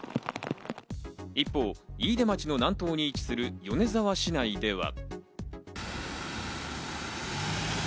一方、飯豊町の南東に位置する米沢市内では。